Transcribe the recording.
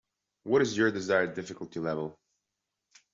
What is your desired difficulty level?